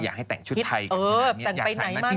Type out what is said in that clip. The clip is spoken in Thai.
อยากให้แต่งชุดไทยกับพี่แนนอยากใส่มัน